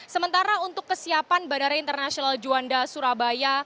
sementara untuk kesiapan bandara internasional juanda surabaya